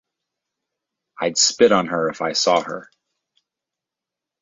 I'd spit on her if I saw her.